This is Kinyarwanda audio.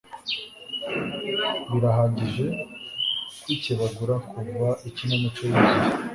birahagije kwikebagura kuva ikinamico yuzuye